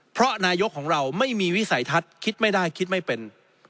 เพราะนายกของเราไม่มีวิสัยทัศน์คิดไม่ได้คิดไม่เป็น